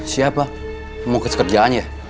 siapa mau ke sekat jalan ya